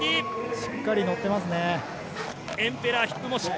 しっかり乗っていますね。